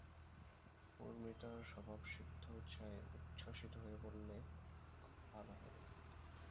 ঊর্মি তার স্বভাবসিদ্ধ উৎসাহে উচ্ছ্বসিত হয়ে বললে, খুব ভালো হবে।